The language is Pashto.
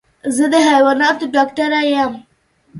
زه د حيواناتو ډاکټر يم.